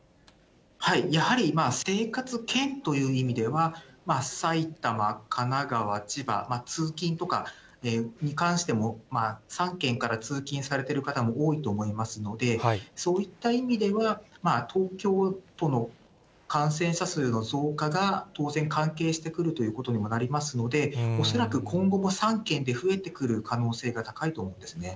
やはり生活圏という意味では、埼玉、神奈川、千葉、通勤とかに関しても、３県から通勤されている方も多いと思いますので、そういった意味では、東京都の感染者数の増加が当然、関係してくるということにもなりますので、恐らく今後、３県で増えてくる可能性が高いと思うんですね。